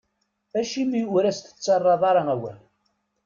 Acimi ur as-tettarraḍ ara awal?